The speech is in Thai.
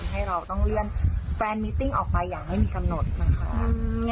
ให้เราต้องเลื่อนแฟนมิติ้งออกไปอย่างไม่มีกำหนดนะคะ